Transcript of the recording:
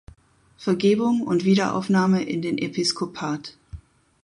Vergebung und Wiederaufnahme in den Episkopat.